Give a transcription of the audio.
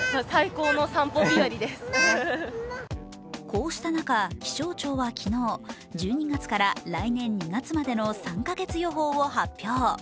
こうした中、気象庁は昨日１２月から来年２月までの３か月予報を発表。